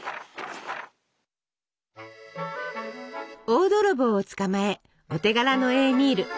大泥棒を捕まえお手柄のエーミール。